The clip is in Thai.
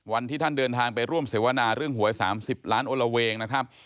วันที่ท่านเดินทางไปร่วมเสวนาเรื่องหวย๓๐ล้านโอละเวงนะครับ